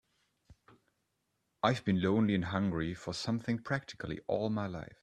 I've been lonely and hungry for something practically all my life.